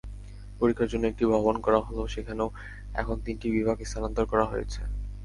পরীক্ষার জন্য একটি ভবন করা হলেও সেখানেও এখন তিনটি বিভাগ স্থানান্তর করা হয়েছে।